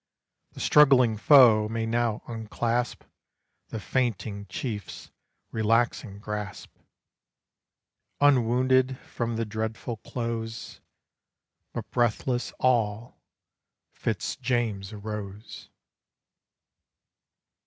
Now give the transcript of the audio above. The struggling foe may now unclasp The fainting Chief's relaxing grasp; Unwounded from the dreadful close, But breathless all, Fitz James arose.